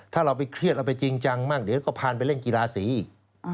ถ้าเราไปเครียดเราไปจริงจังบ้างเดี๋ยวก็พาไปเล่นกีฬาสีอีก